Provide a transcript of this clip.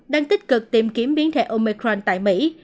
đang tích cực tìm kiếm biến thể omecran tại mỹ